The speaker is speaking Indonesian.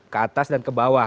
ke atas dan ke bawah